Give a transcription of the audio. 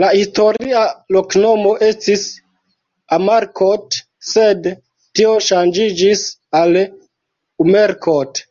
La historia loknomo estis Amarkot, sed tio ŝanĝiĝis al Umerkot.